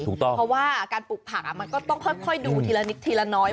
เพราะว่าการปลูกผักมันก็ต้องค่อยดูทีละนิดทีละน้อย